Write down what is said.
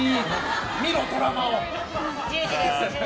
見ろ、ドラマを。